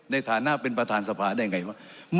ในฐานะเป็นประธานภาคได้อย่างไรหรือว่า